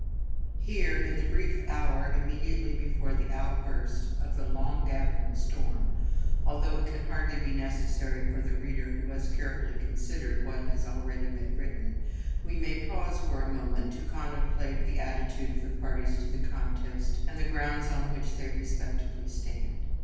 Here, in the brief hour immediately before the outburst of the long gathering storm, although it can hardly be necessary for the reader who has carefully considered what has already been written, we may pause for a moment to contemplate the attitude of the parties to the contest and the grounds on which they respectively stand.